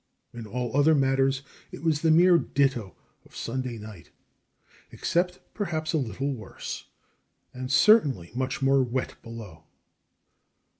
In all other matters it was the mere ditto of Sunday night, except, perhaps, a little worse, and certainly much more wet below.